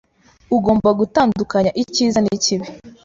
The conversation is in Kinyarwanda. Ugomba gutandukanya icyiza n'ikibi.